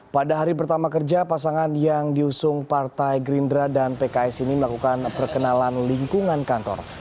pada hari pertama kerja pasangan yang diusung partai gerindra dan pks ini melakukan perkenalan lingkungan kantor